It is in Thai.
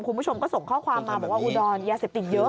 คุณผู้ชมก็ส่งข้อความมาบอกว่าอุดรยาเสพติดเยอะ